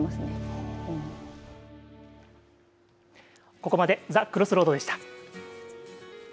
ここまでＴｈｅＣｒｏｓｓｒｏａｄでした。